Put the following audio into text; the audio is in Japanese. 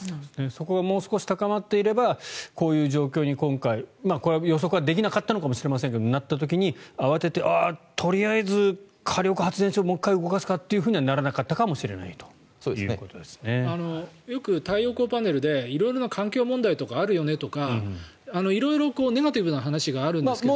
そこがもう少し高まっていればこういう状況に今回これは予測はできなかったのかもしれませんがこうなった時に慌てて、とりあえず火力発電所をもう１回動かすかとはよく太陽光パネルで色々な環境問題があるよねとか色々なネガティブな話があるんですけど。